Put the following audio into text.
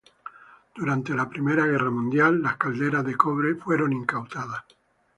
Durante la Primera Guerra mundial las calderas de cobre fueron incautadas.